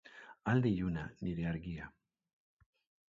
Alde iluna, nire argia.